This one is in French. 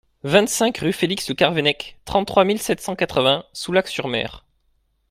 vingt-cinq rue Félix-le-Carvennec, trente-trois mille sept cent quatre-vingts Soulac-sur-Mer